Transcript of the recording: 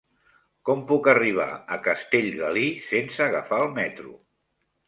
Com puc arribar a Castellgalí sense agafar el metro?